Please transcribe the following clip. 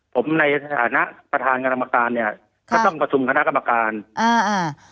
ผมในสถานะประธานกรรมการเนี่ยค่ะก็ต้องกระทุ่มคณะกรรมการอ่า